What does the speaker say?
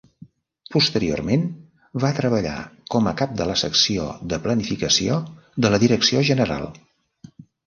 Posteriorment, va treballar com a cap de la secció de Planificació de la Direcció General.